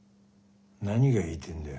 何が言いてえんだよ。